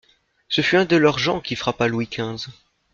Ce fut un de leurs gens qui frappa Louis quinze.